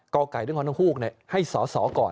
ก่อไก่ด้วยความต้องฮูกเนี่ยให้สอก่อน